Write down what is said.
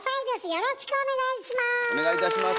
よろしくお願いします。